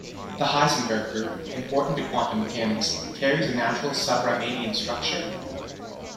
The Heisenberg group, important to quantum mechanics, carries a natural sub-Riemannian structure.